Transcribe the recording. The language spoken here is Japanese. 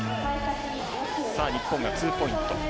日本がツーポイント。